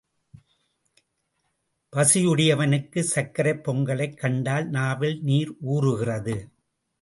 பசியுடையவனுக்கு சர்க்கரைப் பொங்கலைக் கண்டால் நாவில் நீர் ஊறுகிறது.